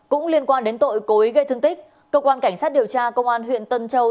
cũng liên quan đến tội cố ý gây thương tích cơ quan cảnh sát điều tra công an huyện tân châu